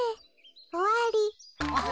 おわり。